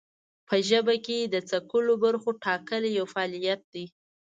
په ژبه کې د څکلو برخو ټاکل یو فعالیت دی.